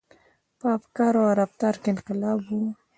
• په افکارو او رفتار کې انقلاب و.